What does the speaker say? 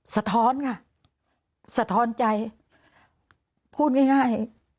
สะท้อนค่ะสะท้อนใจพูดง่าย